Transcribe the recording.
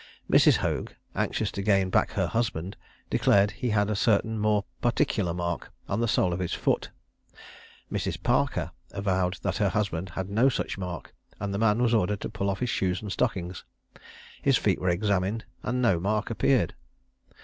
Mrs. Hoag, anxious to gain back her husband, declared he had a certain more particular mark on the sole of his foot. Mrs. Parker avowed that her husband had no such mark; and the man was ordered to pull off his shoes and stockings. His feet were examined, and no mark appeared.